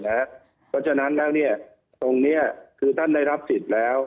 เพราะฉะนั้นแล้วตรงนี้คือท่านได้รับสิทธิ์แล้ว